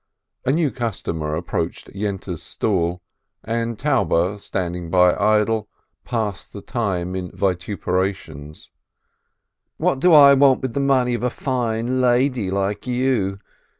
A new customer approached Yente's stall, and Taube, standing by idle, passed the time in vituperations. "What do I want with the money of a fine lady like you?